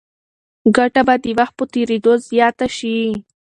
ګټه به د وخت په تېرېدو زیاته شي.